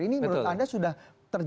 ini menurut anda sudah terjawab belum sih